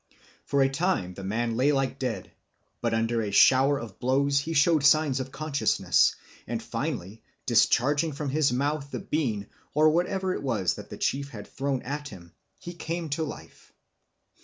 For a time the man lay like dead, but under a shower of blows he showed signs of consciousness, and finally, discharging from his mouth the bean, or whatever it was that the chief had thrown at him, he came to life.